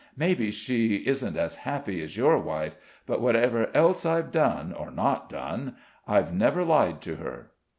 Maybe she isn't as happy as your wife; but whatever else I've done, or not done, I've never lied to her."